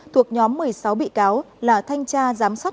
thuộc nhóm một mươi sáu bị cáo là thanh tra giám sát